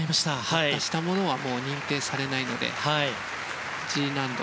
落下したものはもう認定されないので、Ｇ難度。